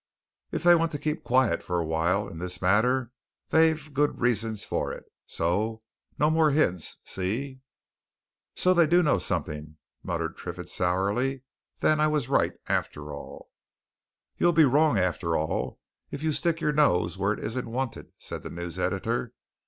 If they want to keep quiet for a while in this matter, they've good reasons for it. So no more hints. See?" "So they do know something?" muttered Triffitt sourly. "Then I was right, after all!" "You'll be wrong, after all, if you stick your nose where it isn't wanted," said the news editor.